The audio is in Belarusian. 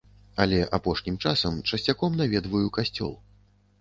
Але апошнім часам часцяком наведваю касцёл.